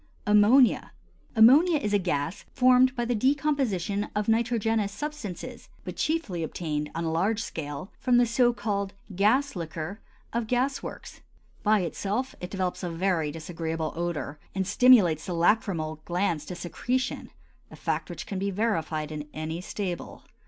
AMMONIA. Ammonia is a gas formed by the decomposition of nitrogenous substances, but chiefly obtained, on a large scale, from the so called "gas liquor" of gas works. By itself it develops a very disagreeable odor and stimulates the lachrymal glands to secretion—a fact which can be verified in any stable.